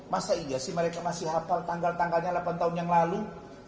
masa iya sih mereka masih hafal tanggal tanggalnya delapan tahun yang lalu